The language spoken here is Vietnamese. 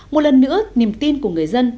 một lần nữa niềm tin của người dân